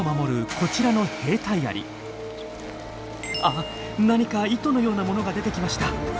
こちらのあっ何か糸のようなものが出てきました。